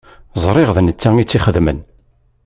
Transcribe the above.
Ẓriɣ d netta i tt-ixedmen.